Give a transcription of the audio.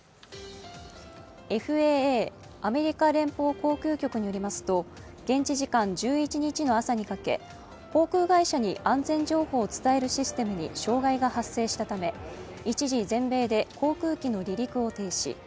ＦＡＡ＝アメリカ連邦航空局によりますと、現地時間１１日の朝にかけ航空会社に安全情報を伝えるシステムに障害が発生したため一時、全米で航空機の離陸を停止。